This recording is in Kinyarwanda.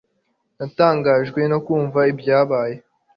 Natangajwe no kumva ibyabaye